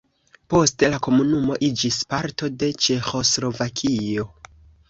Poste la komunumo iĝis parto de Ĉeĥoslovakio.